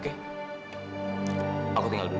oke aku tinggal dulu